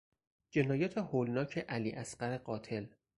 جنایات هولناک علی اصغر قاتل